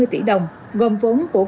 một trăm bảy mươi tỷ đồng gồm vốn của